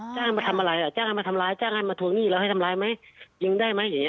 จ้างมาทำอะไรอ่ะจ้างกันมาทำร้ายจ้างให้มาทวงหนี้แล้วให้ทำร้ายไหมยิงได้ไหมอย่างนี้